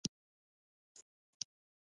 دا حالت عاطفي اسارت دی.